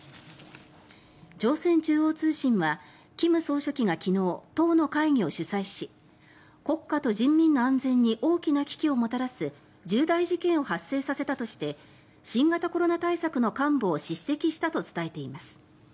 朝鮮中央通信は金総書記が昨日党の会議を主宰し国家と人民の安全に大きな危機をもたらす重大事件を発生させたとして新型コロナ対策の幹部を叱責したと伝えています。